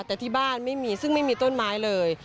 แต่ที่บ้านไม่มีซึ่งไม่มีต้นไม้เลย